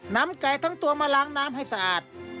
นำไก่ทั้งตัวมาล้างน้ำให้สะอาด